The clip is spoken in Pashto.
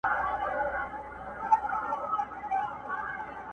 پروت پر ګیله منو پېغلو شونډو پېزوان څه ویل٫